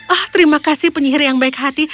ah terima kasih penyihir yang baik hati